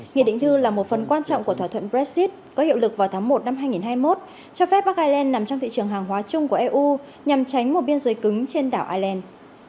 nghị định thư là một phần quan trọng của thỏa thuận brexit có hiệu lực vào tháng một năm hai nghìn hai mươi một cho phép bắc ireland nằm trong thị trường hàng hóa chung của eu nhằm tránh một biên giới cứng trên đảo ireland